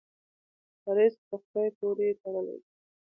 رزق په خدای پورې تړلی دی.